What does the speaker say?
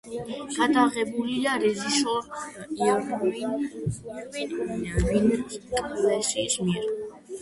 გადაღებულია რეჟისორ ირვინ ვინკლერის მიერ.